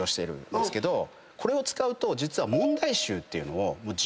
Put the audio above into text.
これを使うと実は。